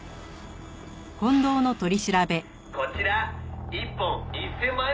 「こちら１本１０００万円もします」